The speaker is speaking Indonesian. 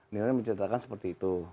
nino menceritakan seperti itu